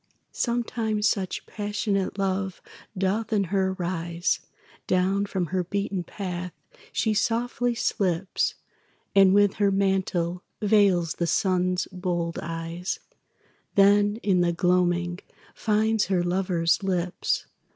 Sometimes such passionate love doth in her rise, Down from her beaten path she softly slips, And with her mantle veils the Sun's bold eyes, Then in the gloaming finds her lover's lips.